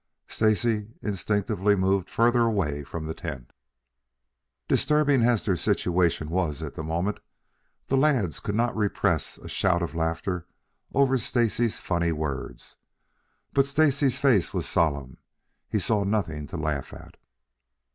Stacy instinctively moved further away from the tent. Disturbing as their situation was at that moment, the lads could not repress a shout of laughter over Stacy's funny words. But Stacy's face was solemn. He saw nothing to laugh at.